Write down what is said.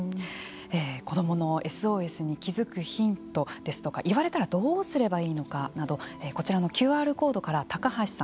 子どものＳＯＳに気付くヒントですとか言われたらどうすればいいのかなどこちらのＱＲコードから高橋さん